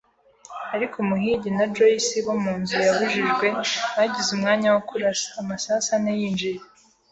ariko Umuhigi na Joyce bo munzu yabujijwe, bagize umwanya wo kurasa. Amasasu ane yinjiye